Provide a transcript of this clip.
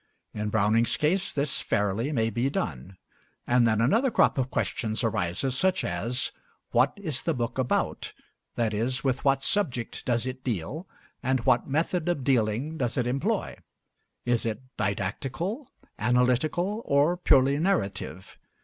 In Browning's case this fairly may be done; and then another crop of questions arises, such as: What is the book about, i.e., with what subject does it deal, and what method of dealing does it employ? Is it didactical, analytical, or purely narrative?